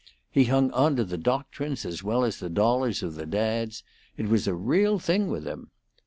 He hung on to the doctrines as well as the dollars of the dads; it was a real thing with him.